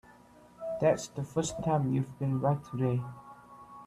That's the first time you've been right today.